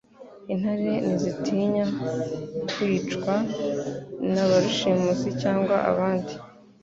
Intare ntizitinya kwicwa na ba rushimusi cyangwa abandi.